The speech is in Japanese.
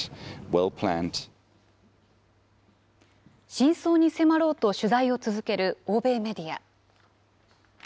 真相に迫ろうと取材を続ける欧米メディア。